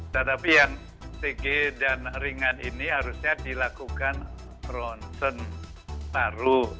tetapi yang tg dan ringan ini harusnya dilakukan ronsen taruh